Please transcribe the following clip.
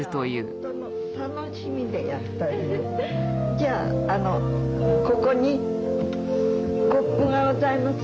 じゃあここにコップがございます。